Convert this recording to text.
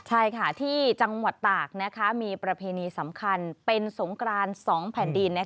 ใช่ค่ะที่จังหวัดตากมีประเพณีสำคัญเป็นสงกราน๒แผ่นดิน